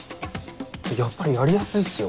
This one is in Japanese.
やっぱりやりやすいっすよ